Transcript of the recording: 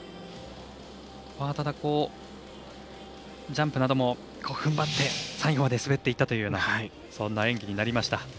ただ、ジャンプなどもふんばって最後まで滑っていったというような演技になりました。